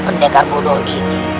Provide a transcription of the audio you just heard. pendekar bodoh ini